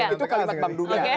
itu kalimat bank dunia